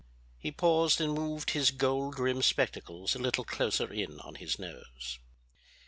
He paused and moved his gold rimmed spectacles a little closer in on his nose.